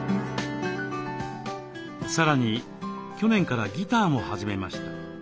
さらに去年からギターも始めました。